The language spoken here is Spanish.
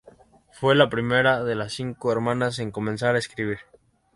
Fue la primera de las cinco hermanas en comenzar a escribir.